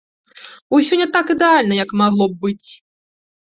Усё не так ідэальна, як магло б быць.